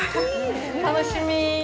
楽しみ。